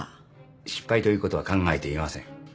失敗ということは考えていません。